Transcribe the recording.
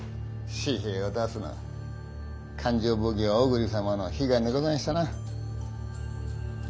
紙幣を出すのは勘定奉行小栗様の悲願でござんしたなぁ。